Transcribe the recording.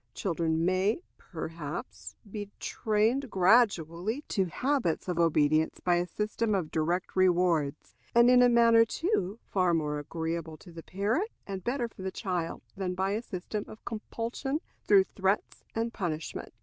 Children may, perhaps, be trained gradually to habits of obedience by a system of direct rewards, and in a manner, too, far more agreeable to the parent and better for the child than by a system of compulsion through threats and punishment.